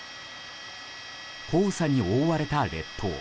黄砂に覆われた列島。